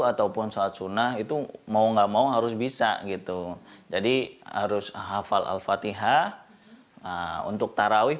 ataupun sholat sunnah itu mau nggak mau harus bisa gitu jadi harus hafal al fatihah untuk tarawih